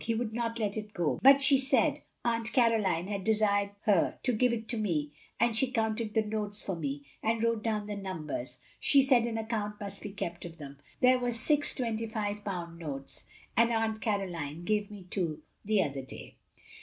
He would not let it go, but she said Aunt Caroline had desired her to give it to me, and she counted the notes for me, and wrote down the numbers. She said an account must be kept of them. There were six twenty five pound notes, and Atmt Caroline gave me two the other day."